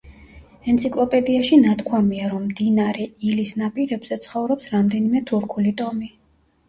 ენციკლოპედიაში ნათქვამია, რომ მდინარე ილის ნაპირებზე ცხოვრობს რამდენიმე თურქული ტომი.